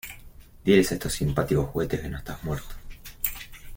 Diles a estos simpáticos juguetes que no estás muerto.